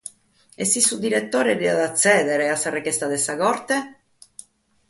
E si su diretore diat tzèdere a sa rechesta de sa Corte?